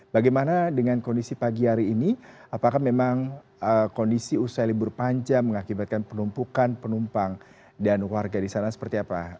bagaimana dengan kondisi pagi hari ini apakah memang kondisi usai libur panjang mengakibatkan penumpukan penumpang dan warga di sana seperti apa